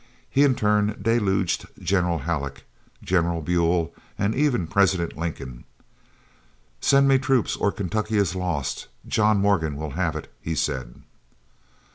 He in turn deluged General Halleck, General Buell, and even President Lincoln. "Send me troops, or Kentucky is lost. John Morgan will have it," he said.